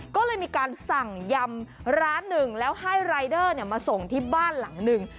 ก็เลยมีการสั่งยำร้านหนึ่งแล้วให้รายเดอร์มาส่งที่บ้านหลังหนึ่ง